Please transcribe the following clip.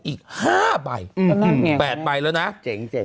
อีกห้าบ่ายอืมกันอืมแปดบ่ายแล้วน่ะเจ๋งเจ๋ง